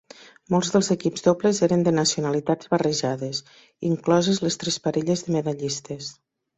Molts dels equips dobles eren de nacionalitats barrejades, incloses les tres parelles de medallistes.